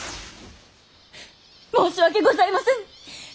申し訳ございませぬ！